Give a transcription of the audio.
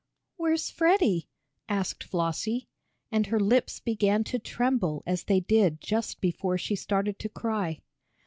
"Where's Freddie?" asked Flossie, and her lips began to tremble as they did just before she started to cry.